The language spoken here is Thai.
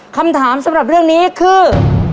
คำถามสำหรับเรื่องนี้คือ